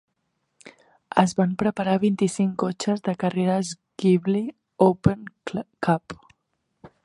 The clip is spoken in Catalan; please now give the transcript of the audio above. Es van preparar vint-i-cinc cotxes de carreres Ghibli Open Cup.